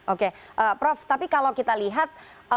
oke prof tapi kalau kita lihat